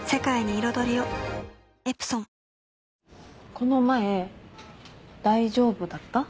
この前大丈夫だった？